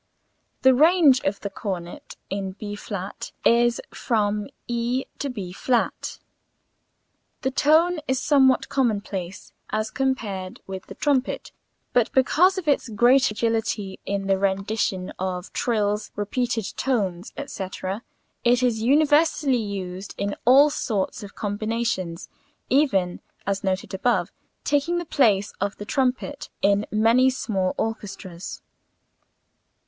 The range of the cornet in B[flat] is from [Illustration: e] to [Illustration: b flat'']. The tone is somewhat commonplace as compared with the trumpet, but because of its great agility in the rendition of trills, repeated tones, etc., it is universally used in all sorts of combinations, even (as noted above) taking the place of the trumpet in many small orchestras.